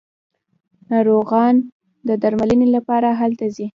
ناروغان د درملنې لپاره هلته ځي.